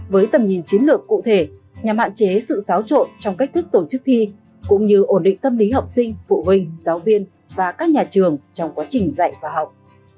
với tầm nhìn chiến lược cụ thể nhằm hạn chế sự xáo trộn trong cách thức tổ chức thi cũng như ổn định tâm lý học sinh phụ huynh giáo viên và các nhà trường trong quá trình dạy và học